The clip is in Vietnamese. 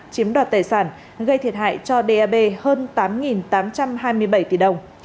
chiếm đoạt tài sản gây thiệt hại cho dap hơn tám tám trăm hai mươi bảy tỷ đồng